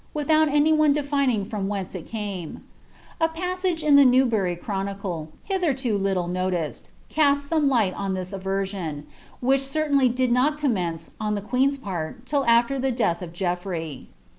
without any one defining front whence it rame. A MMnge in the " Newbury Chrnnicle," hitherto Imlc nolircd. cast* aam • iighl on this aversion, which certainly did not commence, on the quifd't , Jiart, tdl after the dnth of Geolfrcy.